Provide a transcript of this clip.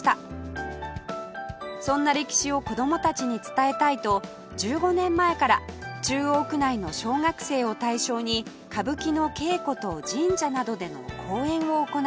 そんな歴史を子供たちに伝えたいと１５年前から中央区内の小学生を対象に歌舞伎の稽古と神社などでの公演を行っています